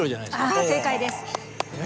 あ正解です。